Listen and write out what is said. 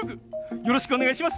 よろしくお願いします！